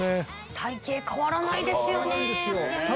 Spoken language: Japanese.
体形変わらないですよね。